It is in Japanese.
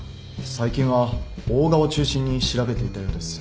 最近は大賀を中心に調べていたようです。